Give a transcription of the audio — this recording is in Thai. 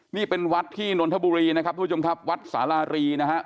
นี่เป็นวัดที่นนทบุรีนะครับทุกผู้ชมครับวัดสารารีนะฮะ